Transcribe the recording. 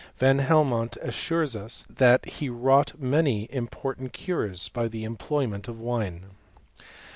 Van Helmont as sures us that he wrought many important cures by the employment of wine.